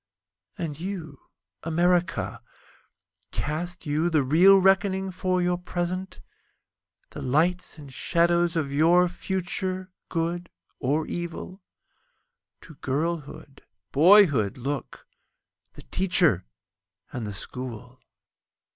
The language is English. And you, America, Cast you the real reckoning for your present? The lights and shadows of your future—good or evil? To girlhood, boyhood look—the Teacher and the School.